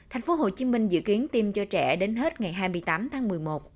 tp hcm dự kiến tiêm cho trẻ đến hết ngày hai mươi tám tháng một mươi một